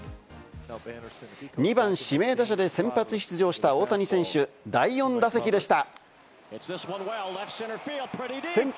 ２番・指名打者で先発出場した大谷選手、第４打席でした！